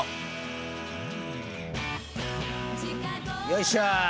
よいしょ！